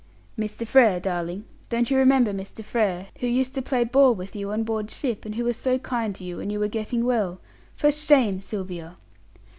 "Mr. Frere, darling. Don't you remember Mr. Frere, who used to play ball with you on board the ship, and who was so kind to you when you were getting well? For shame, Sylvia!"